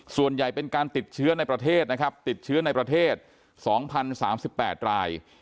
ส่วนใหญ่เป็นการติดเชื้อในประเทศ๒๐๓๘ราย